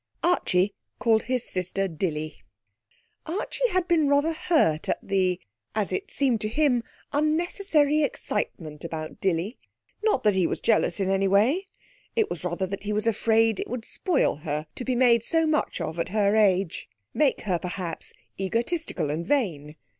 Archie called his sister Dilly. Archie had been rather hurt at the as it seemed to him unnecessary excitement about Dilly. Not that he was jealous in any way. It was rather that he was afraid it would spoil her to be made so much of at her age; make her, perhaps, egotistical and vain.